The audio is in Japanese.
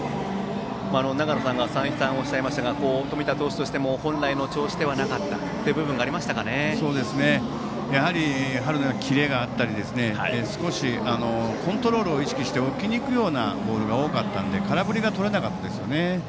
長野さんが再三おっしゃいましたが冨田投手としても本来の調子ではなかった部分がやはり春のようなキレがなかったり少しコントロールを意識して置きに行くようなボールが多かったので空振りがとれなかったですね。